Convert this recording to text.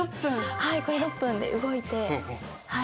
はいこれ６分で動いて。